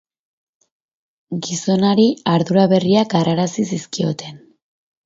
Gizonari ardura berriak harrarazi zizkioten.